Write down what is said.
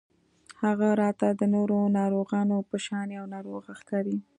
هغه راته د نورو ناروغانو په شان يوه ناروغه ښکاري